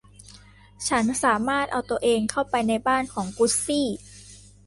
ฉันสามารถเอาตัวเองเข้าไปในบ้านของกุซซี่